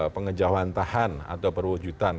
pengejauhan tahan atau perwujudan